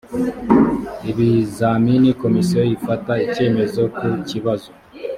ibizamini komisiyo ifata icyemezo ku kibazo